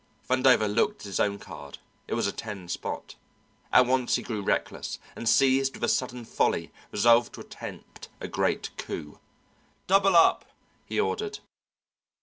Vandover looked at his own card; it was a ten spot. All at once he grew reckless, and seized with a sudden folly, resolved to attempt a great coup. "Double up!" he ordered.